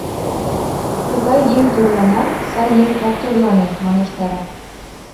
— Тугай еҥ тӧрлана, сай еҥ ок тӧрлане, — манеш Тайра.